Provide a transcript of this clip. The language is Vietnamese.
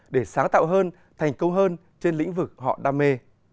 để sáng tạo hơn thành công hơn trên lĩnh vực họ đam mê